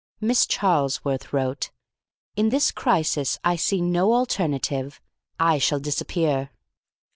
Miss Charlesworth wrote: "In this crisis I see no alternative. I shall disappear."